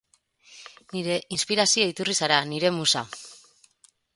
Nire inspirazio iturri zara, nire musa!